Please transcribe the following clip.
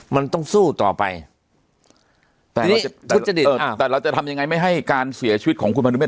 มันต้องสู้ต่อไปแต่ทุจริตแต่เราจะทำยังไงไม่ให้การเสียชีวิตของคุณพนุเมฆ